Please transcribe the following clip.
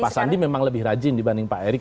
pak sandi memang lebih rajin dibanding pak erick